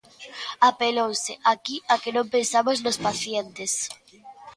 Apelouse aquí a que non pensamos nos pacientes.